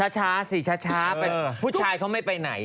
ช้าสิช้าผู้ชายเขาไม่ไปไหน